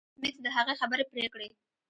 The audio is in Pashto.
ایس میکس د هغې خبرې پرې کړې